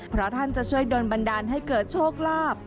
เพราะท่านจะช่วยโดนบันดาลให้เกิดโชคลาภ